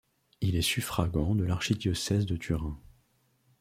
Il est suffragant de l’archidiocèse de Turin.